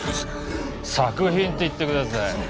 「作品」って言ってください